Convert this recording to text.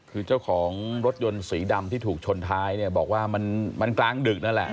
คือเจ้าของรถยนต์สีดำที่ถูกชนท้ายเนี่ยบอกว่ามันกลางดึกนั่นแหละ